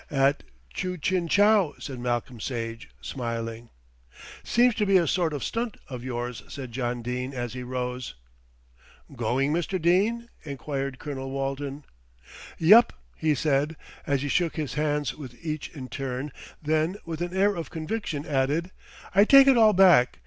"At 'Chu Chin Chow,'" said Malcolm Sage, smiling. "Seems to be a sort of stunt of yours," said John Dene as he rose. "Going, Mr. Dene?" enquired Colonel Walton. "Yep!" he said, as he shook hands with each in turn, then with an air of conviction added: "I take it all back.